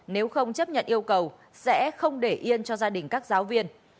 nếu không chấp nhận yêu cầu sẽ không để yên cho gia đình các giáo viên